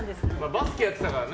バスケやってたからね。